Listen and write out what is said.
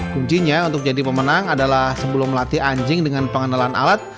kuncinya untuk jadi pemenang adalah sebelum melatih anjing dengan pengenalan alat